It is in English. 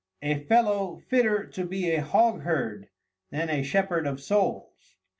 A Fellow fitter to be a Hogherd than a Shepherd of Souls.